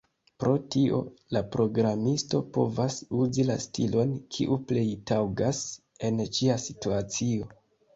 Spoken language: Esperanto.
Pro tio, la programisto povas uzi la stilon, kiu plej taŭgas en ĉia situacio.